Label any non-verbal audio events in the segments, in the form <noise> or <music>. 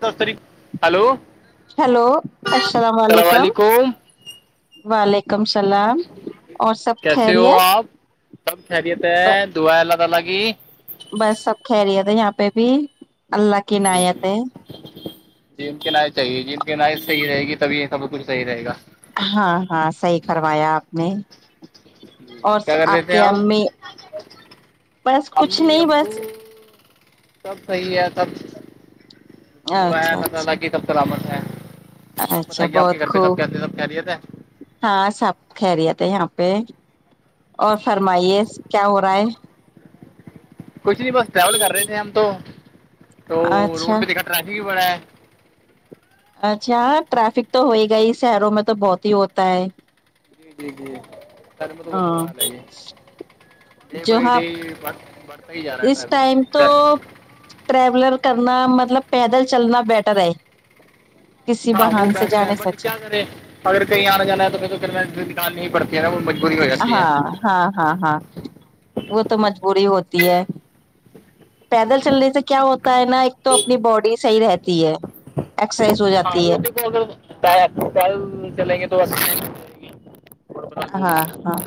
دفتری hello hello السلام علیکم وعلیکم السلام اور سب کیسے ہو خیریت آپ سب خیریت ہے دعا ہے اللہ تعالی کی بس سب خریت ہے یہاں پہ بھی اللہ کی عنایت ہے جینس کے نائ چاہیے جینس کے نائ صحیح رہے گی تبھی یہ سب کچھ صحیح رہے گا ہاں ہاں صحیح فرمایا آپ نے اور کیا کر رہے آپ تھے کے امی بس کچھ امی نہیں ابو بس سب صحیح ہے اچھا اللہ تعالی کی اچھا طرف سلامت ہے آپ اچھا بتائیے آپ کے بہت گھر پہ سب خوب کیاتے سب کییرییت ہے ہاں سب کہہری تھ یہاں پہ اور فرمائیے کیا ہو رہا ہے کچھ نہیں بس ٹریول کر رہے تھے ہم تو تو اچھا روڈ پہ دیکھا ٹریفک بھی بڑا ہے اچھااں ٹریفک تو ہو ہی گ ہی شہروں میں تو بہت ہی ہوتا ہے <unintelligible> جی ہاں جی ڈے جو بائی ڈے آپ بڑھتا ہی جا رہا ہے ٹریفک ٹرولر کرنا مطلب پیدل چلنا بیٹر ہے کسی ہاں وہ بہان سے بیسٹ ہے جانے سے بٹ اچھا کیا کرے اگر کہیں آنا جانا ہے تو پھر تو گاڑی نکالنی پڑتی ہے نا مجبوری ہو جاتی ہے ہاں ہاں ہاں ہاں وہ تو مجبوری ہوتی ہے پیدل چلنے سے کیا ہوتا ہے نا ایک تو اپنی باڈی صحیح رہتی ہے اکسرسائز ہو جاتی ہے کل چلیں گے تو اکسرسایز ہوجائے گی ہاں ہاں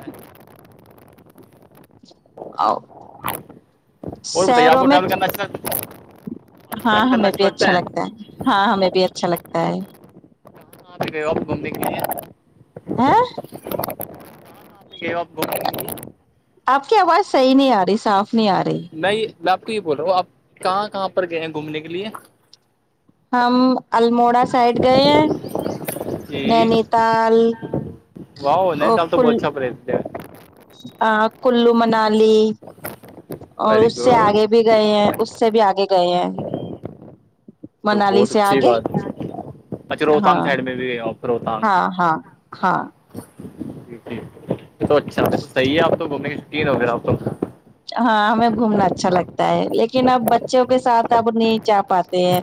او اور بتائیے شہروں میں <unintelligible> آپ کو ہاں ٹریول کرنا ہمیں بھی اچھا لگتا ہے ہاں ہمیں بھی اچھا لگتا ہے ہاںپ بند کہاں پے گیے ہو ہاں آپ بمبئی تو نہیں ہے آپ کی آواز صحیح نہیں آ رہی صاف نہیں آ رہی نہیں میں آپ کو یہ بول رہا ہوں آپ کہاں کہاں پر گئے ہیں گھومنے کے لیے ہم الموڑا سائڈ گئے ہیں جی نینی تال اور کل پریت ہے آ کلو منالی اور ویری اس سے گڈ آگے بھی گئے ہیں اس سے بھی آگے گئے ہیں تو منالی بہت سے اچھی آگے بات ہے اچھا روہتانگ ہاں سائڈ میں بھی گئے آپ روہتانگ ہاں ہاں ہاں جی جی یہ تو اچھا تو صحیح ہے آپ تو گھومنے کے شوقین ہو پھر آپ تو ہاں ہمیں گھومنا اچھا لگتا ہے لیکن اب بچوں کے ساتھ اب نہیں جا پاتے ہیں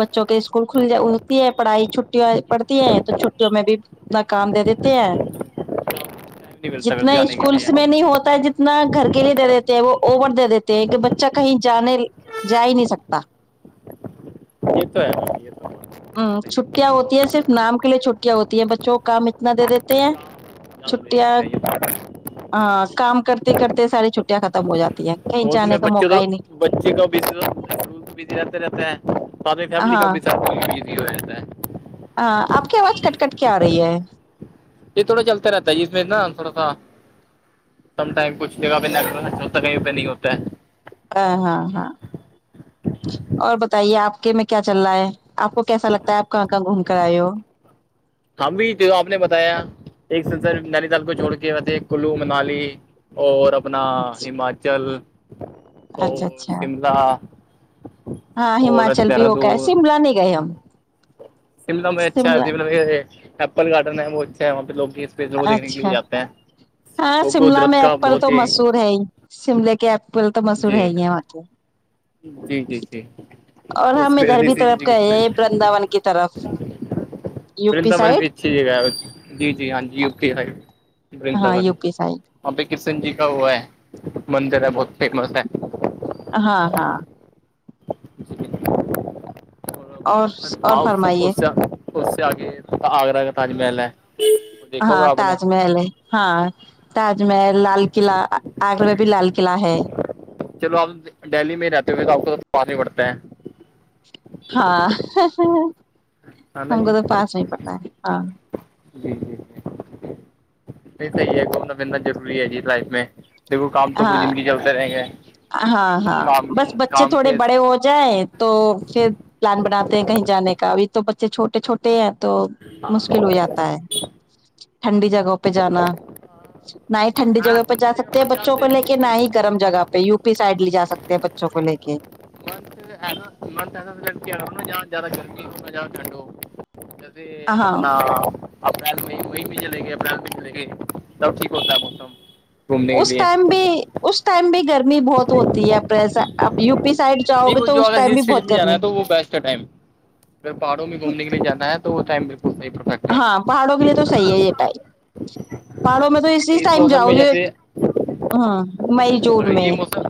بچوں کے اسکول کھل ہوتی ہے پڑھائی چھٹییاں پڑتی ہے تو چھٹیوں میں بھی ناکام دے دیتے ہیں <inaudible> پھر تو جتنا جانے کے لیے اسکولس میں نہیں ہوتا ہے جتنا اتنا گھر کے لیے دے دیتے ہیں وہ اور دے دیتے ہیں کہ بچہ کہیں جانے جا ہی نہیں سکتا یہ تو ہے یہ تو ہے چھٹیاں صحیح ہوتی ہیں صرف نام کے لیے چھٹیاں ہوتی ہیں بچوں کو کام اتنا دے دیتے ہیں چھٹیاں صحیح بات ہے ہاں کام کرتے کرتے ساری چھٹیاں ختم ہو جاتی ہیں کہیں اور جانے تمہیں کا بچے موقع تو ہی نہیں بچے کا بھی بزی رہتے رہتے ہیں تو فیملی کا ہاں بھی ساتھ بزی ہو جاتا ہے آپ کی آواز کٹ کٹ کیا آ رہی ہے یہ تھوڑا چلتا رہتا ہے اس میں نا تھوڑا سا کم ٹائم کچھ جگہ پہ لا ہوتا کہیں پہ نہیں ہوتا ہے ہاں ہاں ہاں اور بتائیے آپ کے میں کیا چل رہا ہے آپ کو کیسا لگتا ہے آپ کہاں کہاں گھوم کر آئے ہو ہم بھی آپ نے بتایا ایک سنسر نینی تال کو چھوڑ کے تھے کلو منالی اور اپنا ہماچل اور اچھا اچھا شملہ ہاں اور ہماچل بھی ہو گ ہے دہرادون شملہ نہیں گئے ہم شملہ میں اچھا ہے شملہ میں ایپل گارڈن ہے وہ اچھا ہے وہاں پہ لوگ بھی اسپیشل دیکھنے کے لیے اچھا جاتے ہیں ہاں وہ شملہ قدرت میں کا ایپل بہت تو ہی مشہور ہے ہی شملے کے ایپل تو مشہور ہے جی ہی ہے وہاں پے جی جی جی اور وہ ہم ادھر اسپیشلی بھی سی طرف کہے ہیں برندان کی طرف یو پی سائڈ ٹھیک ہے جی جی ہاں جی یو پی ہے ڈنن ہاں یو پی سائڈ وہاں پہ کشن جی کا ہوا ہے مندر ہے بہت فیمس ہے ہاں ہاں <unintelligible> اور اور فرمائیے اس سے آگے آگرہ کا تاج محل ہے دیکھو ہاں گا آپ نے تاج محل ہے ہاں تاج محل لال قلعہ آگرہ میں بھی لال قلع ہے چلو آپ دہلی میں رہتے ہوئے تو آپ کو تو ساد نہیں پڑتا ہے ہاں ہے نا ہم کو جی تو پاس نہیں پڑتا ہے ہاں جی جی جی صحی ہے گھومنا پھرنا ضروری ہے جی لائف میں دیکھو کام تو پوری ہاں زندگی چلتے رہیں گے ہاں ہاں کام بس بچے کام تھوڑے کے بڑے ہو جائیں تو پھر پلان بناتے ہیں کہیں جانے کا اھی تو بچے چھوٹے چھوٹے ہیں تو مشکل ہو جاتا ہے ٹھنڈی جگہوں پہ جانا نہ ہی ٹھنڈی ہاں جگہ پہ جا ٹھنڈی سکتے پر ہیں بچوں جاتے کو لے کے نہ نہیں، ہی گرم جگہ پہ بھی سائڈ لے ج سکتے ہیں بچوں کو ارے لے کے منتھ ہے نا منتھسا لڑکیا یا زیادہ گرمی ہو یا ٹھنڈ ہو جس ہاں اپنا اپریل میں مئی میں چلے گی اپریل میں چلیں گئے تب ٹھیک ہوتا ہے موسم گھومنے کے اس لیے ٹائم بھی اس ٹائم بھی گرمی بہت ہوتی ہے اپریز آپ یو پی سائڈ جاؤ نہیں گے وہ تو جو اس اگر ٹائم ہل بھی بہت اسٹیشن پہ جانا ہے کرنی تو بیسٹ ٹائم اگر پاڑوں میں گھوم کے لیے جانا تو ٹم بالکل پرفٹ ہاں پہاڑوں کے لیے تو صحی ہے یہ ٹائم پہاڑوں میں تو اسی اس ٹائم موسم جاؤ میں جو جیسے ہاں جون اگر میں یہ موسم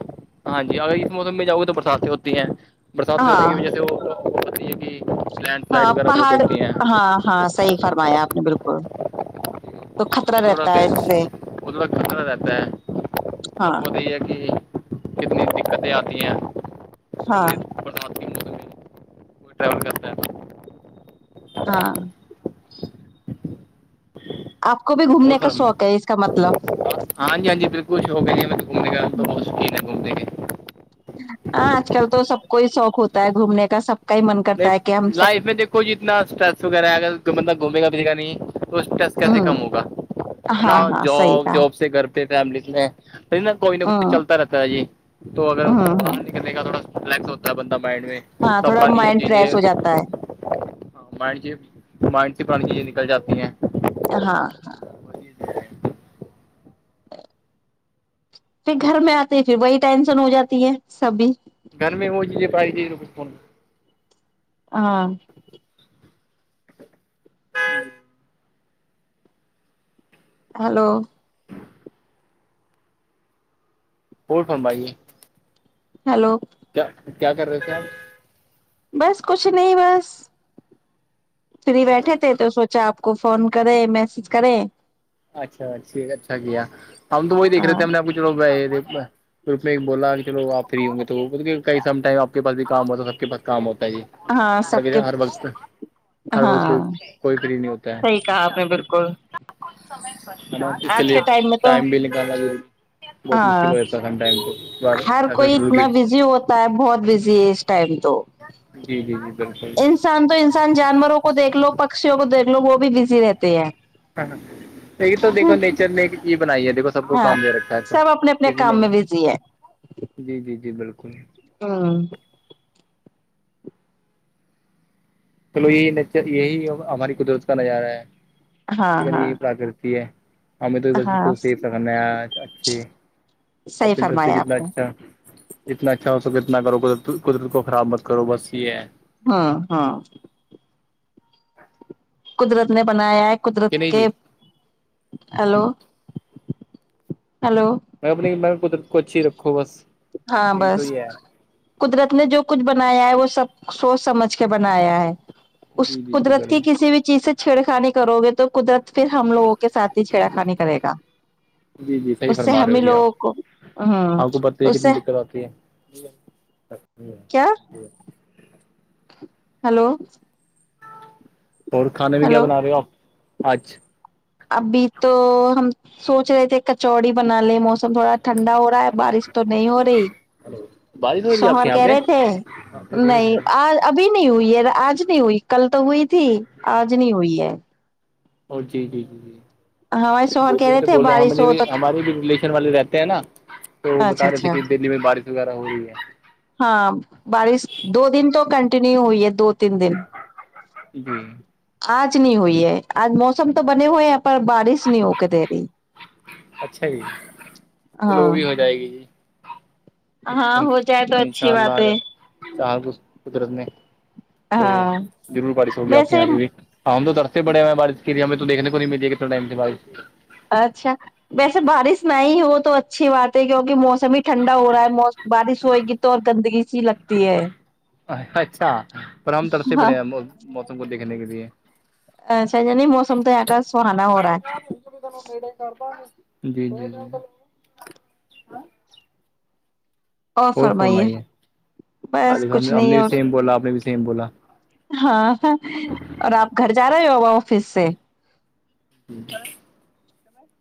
ہاں جی اگر اس موسم میں جاؤ گے تو برساتیں ہوتی ہیں برسات ہونے ہاں کی وجہ سے وہ آتی ہے کہ لینڈ سلائڈ ہاں وغیرہ بہت پہاڑ ہوتی ہیں ہاں ہاں صحیح فرمایا آپ نے بالکل تو خطرہ ا تھوڑا رہتا ہے پھر اس سے ا تھوڑا کندا رہتا ہے آپ ہاں کو بت یہ ہے کہ کتنی دقتیں آتی ہیں جو ہاں برسات کے موسم میں کوئی ٹریول کرتا ہے تو ہاں آ کو بھی گ اور ھنے کا فرم شوق ہے اس کا مطلب ہاں جی ہاںی بالکل ش ہو گ میں گومنے گ تو بہت شوکین ہے گھومنے کے ہاں آج کل تو سب کو ہی شوق ہوتا ہے گھومنے کا سب کا ہی من کرتا ہے کہ ہم سب کچھ اتنا اسٹریس وغیرہ ہے اگر مطلب گھومے گ بھیھےا نہیں تو اس ٹس کیسے ہوں کم ہوگا ہے نا ہاں ہاں صحیح جاب کہا جاب سے گھر پہ فیملی میں ن کوئی نہ کوئی ہوں چلتا رہتا ہے جی تو اگر ہوں ہوں باہر نے کا تھوڑا رییکس ہوتا ہے بندہ مائنڈ میں ہاں تھوڑا مائنڈ فریش ہو جاتا ہے ہاں مائنڈ مائنڈ سے پرانی چیزیں نکل جاتی ہیں ہاں ہاں ج <unintelligible> پھر گھر میں آتے پھر وہی ٹینشن ہو جاتی ہے سبھی گھر میں ہوجیے پڑائی دی کچھ ف ہاں ہاں ہلو پٹ ممبائی ہے ہیلو کیا کیا کر رہے تھے آپ بس کچھ نہیں بس فری بیٹھے تھے تو سوچا آپ کو فون کرے میسج کرے اچھاھ اچھا کیا ہم تو وہی دیکھ رہے ہاں ہم نے آب کو چلو گروپ میں ایک بولا کہ چلو آپ فری ہوں گے تو وہ بول کے کہئی سم ٹائم آ کے پاس بھی کام ہوتا تو سب کے پس کام ہوتا ہے جی ہاں ہر سب کے ہر وقت ہر ہاں وقت کو کوئی فری نہیں ہوتی صحیح کہا آپ نے بالکل نا اس کے آج لیے میں تو ٹائم بھی نکالنا بہت مشکل ہاں ہو جاتا ہے س تھینک یو ہر کوئی اتنا بزی ہوتا ہے بہت بزی ہے اس ٹائم تو جی جی جی بالکل انسان تو انسان جانوروں کو دیکھ لو پکشیوں کو دیکھ لو وہ بھی بزی رہتے ہیں ہاں یہ تو دیکھو نیچر نے ایک یہ بنائی ہے دیکھو سب کو ہاں کام دے رکھا ہے تو سب اپنے اپنے کسی نے کام کہ میں بزی ہے جی جی جی بالکل ہاں چلو یہی نچ یہی ہماری قدرت کا نظارہ ہے ہاں یک ہاں یہی پراکرتی ہے ہمیں تو بس ہاں کو سیف سنا ہے اچھی آل صحیح تو سے فرمایا کتنا آپ نے اچھا اتنا اچھا ہو سک اتنا کرو قدرت کو خراب مت کرو بس یہ ہے ہاں ہاں قدرت نے بنایا ہے کہ قدرت نہیں جی کے ہیلو ہلو میں اپنی میں قدرت کو اچھی رکھو بس ہاں مین بس تو یہ ہے قدرت نے جو کچھ بنایا ہے وہ سب سوچ سمجھ کے بنایا ہے اس جی جی جی قدرت کی ضرور کسی بھی چیز سے چھیڑا خانی کرو گے تو قدرت پھر ہم لوگوں کے ساتھ ہی چھیڑا خانی کرے گا جی جی صحیح اس سے فرما رہے ہو ہمیں جی آپ لوگوں کو آپ کو ہ پتہ کتنی دقت آتی ہے کیا ہلو اور کھانا بھی کیا ہلو بنا رہے ہو آپ آجھ ابھی تو ہم سوچ رہے تھے کچوڑی بنا لے موسم تھوڑا ٹھنڈا ہو رہا ہے بارش تو نہیں ہو رہی بارش ہو رہی ہے آپ سوہر کے یہاں کہہ پہ رہے تھے نہیں آ ابھی نہیں ہوئی ہے آج نہیں ہوئی کل تو ہوئی تھی آج نہیں ہوئی ہے اور جی جی جی جی ہمارے شوہر دلی کہہ میں رہے تو تھے بول رہو ہم بارش ہو تو ہمارے بھی ریلیشن والے رہتے ہیں نا تو وہ بتا اچھا رہے تھے اچھا کہ دلی میں بارش وغیرہ ہو رہی ہے ہاں بارش دو دن تو کنٹینیو ہوئی ہے دو تین دن جی آج نہیں ہوئی ہے آج موسم تو بنے ہوئے ہیں پر بارش نہیں ہو کے دے رہی اچھا جی چلو وہ ہاں بھی ہو جائے گی جی ہاں ہو جائے تو ان شاء اچھی اللہ بات ہے اگر چاہ تو قدرت نے تو ہاں ضرور بارش ہوگی آپ کے ویسے یہاں پہ بھی ہاں ہم تو درتے پڑے ہیں بارش کے لیے ہمیں تو دیکنے کو نہیں ملیے کہتناٹائم سے بارش اچھا ویسے بارش نہ ہو تو اچھی بات ہے کیونکہ موسم ہی ٹھنڈا ہو رہا ہے بارش ہوئے گی تو اور گندگی سی لگتی ہے اچھا پر ہم ترتے ہاں پڑے ہیں موسم کو دیکھنے کے لیے ا س جنی موسم تو گ سہانا ہو رہا ہے <unintelligible> جی جی ج اور فم آئی ہے بس عالف کچھ نے ہم نہیں نے بھی اور سیم بولا آپ نے بھی سیم بولا ہاں اور آپ گھر جا رہے ہوا آفس سے ہ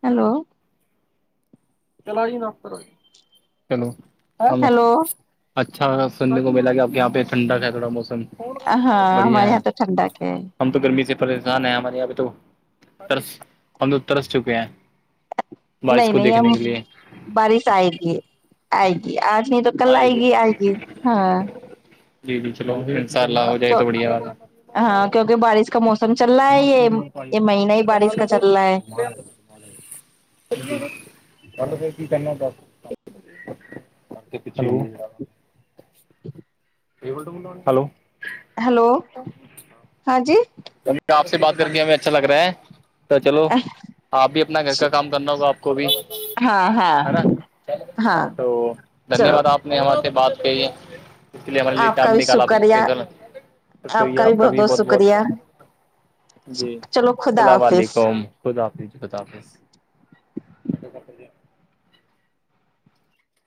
ہیلو چل نو چلوچ ہیلو اچھا سننے کو ملا گ اب یہ پہ ٹھڈا ہے تھڑا موسم ہاں ہمارے بڑھیا ہے یہاں تو ٹھنڈا کیا ہے ہم تو گرمی سے پریشان ہیں ہمارےاںبھی تو ترس ہمند ترس چکے ہیں بارش نہیں کو نہیں دیکھنے ہم کے لیے بارش آئے گی آئے گی آج نہیں تو گل آئے گی گ آگ ہاں جی جی چلو ان شاء اللہ ہو جائے کیوں تو بڑھیا بات ہے ہاں کیونکہ بارش کا موسم چل رہا ہے یہ یہ مہینہ ہی بارش کا چل رہا ہے بل پ کی کیانا تھا پ چلو ہوا <unintelligible> <inaudible> ہلو ہیلو ہاں جی آپ سے بات کر کے ہمیں اچھا لگ رہا ہے تو چلو آپ بھی اپنا گھر کا کام کرنا ہوگا آپ کو بھی ہاں ہاں ہے نا ہاں تو دھنیہ چلو واد آپ نے ہماں سے بات کہی ہے اس کے لیے ہمارے آپ کا ٹائم بھی نکالا تھا شکریہ اسپیشلب تو یہ آپ کا بھی بہت بہت جی چلو خدا السلام حافظ علیکم خدا حافظ خدا حافظ